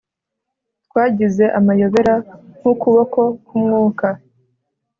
twagize amayobera nk'ukuboko k'umwuka